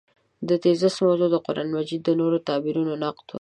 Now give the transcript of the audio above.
د تېزس موضوع د قران مجید د نویو تعبیرونو نقد و.